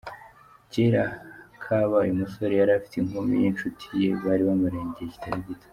Kera kabaye umusore yari afite inkumi y’inshuti ye bari bamaranye igihe kitari gito.